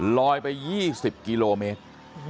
ลอยไป๒๐กิโลเมตร